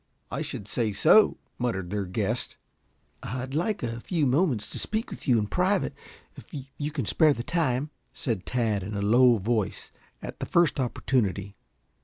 "I should say so," muttered their guest. "I'd like a few moments to speak with you in private, if you can spare the time," said Tad in a low voice, at the first opportunity.